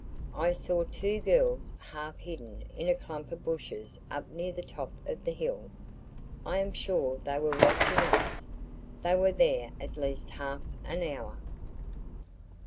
I saw two girls half hidden in a clump of bushes up near the top of the hill. I am sure they were watching us. They were there at least half an hour."